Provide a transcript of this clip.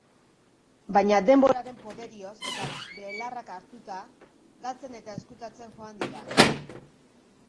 Baina denboraren poderioz, eta belarrak hartuta, galtzen eta ezkutatzen joan dira.